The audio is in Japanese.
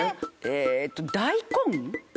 えっと大根？